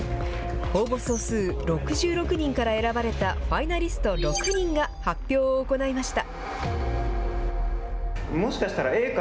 応募総数６６人から選ばれたファイナリスト６人が発表を行いました。